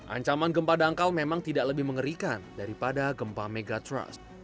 ancaman gempa dangkal memang tidak lebih mengerikan daripada gempa megatrust